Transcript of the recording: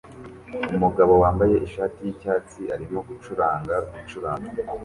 Umugabo wambaye ishati yicyatsi arimo gucuranga gucuranga